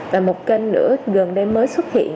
và một kênh nữa gần đây mới xuất hiện